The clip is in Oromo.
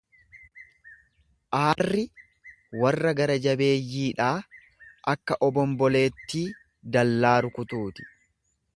Aarri warra gara-jabeeyyiidhaa akka obomboleettii dallaa rukutuuti.